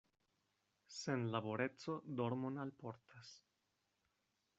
Senlaboreco dormon alportas.